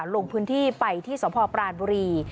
ลงพื้นที่ไปที่สพปรานบุรี